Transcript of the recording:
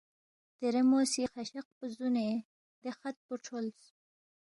دیرے مو سی خشق پو زُونے دے خط پو کھرولس